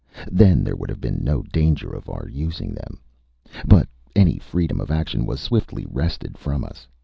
Then there would have been no danger of our using them. But any freedom of action was swiftly wrested from us.